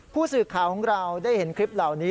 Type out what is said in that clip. ผู้สื่อข่าวของเราได้เห็นคลิปเหล่านี้